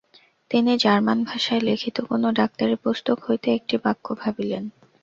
তিনি জার্মান ভাষায় লিখিত কোন ডাক্তারি পুস্তক হইতে একটি বাক্য ভাবিলেন।